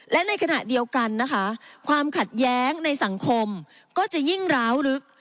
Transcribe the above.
และในขณะเดียวกันนะคะความขัดแย้งในสังคมก็จะยิ่งร้าวลึก